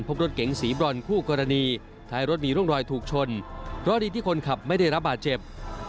เพราะดีที่คนขับไม่ได้รับอาจเจ็บ